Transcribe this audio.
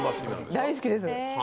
大好きです。